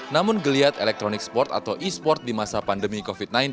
namun geliat elektronik sport atau e sport di masa pandemi covid sembilan belas